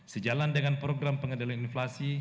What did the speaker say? sejalan dengan program pengendalian inflasi